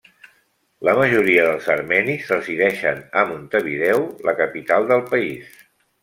La majoria dels armenis resideixen a Montevideo, la capital del país.